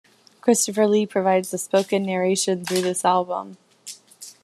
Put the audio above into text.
Christopher Lee provides the spoken narration throughout this album.